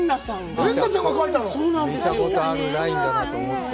見たことあるラインだなと思った。